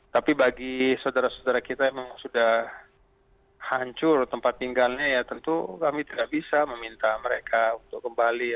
tapi bagi saudara saudara kita yang sudah hancur tempat tinggalnya ya tentu kami tidak bisa meminta mereka untuk kembali